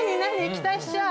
期待しちゃう。